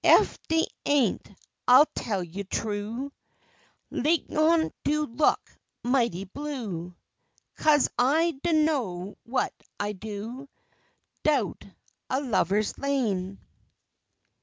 Ef dey ain't, I tell you true, 'Ligion do look mighty blue, 'Cause I do' know whut I'd do 'Dout a lovah's lane.